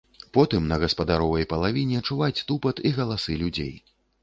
Потым на гаспадаровай палавіне чуваць тупат і галасы людзей.